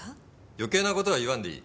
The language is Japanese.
余計な事は言わんでいい。